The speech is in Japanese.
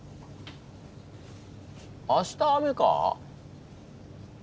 明日雨か。